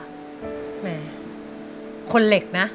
แหมคนเหล็กนะ